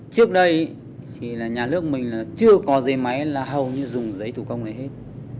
trước đây thì là nhà nước mình là chưa có giấy máy là hầu như dùng giấy thủ công này hết